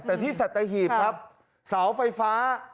แต่ที่สังษัตลาฮีครับสาวไฟฟ้า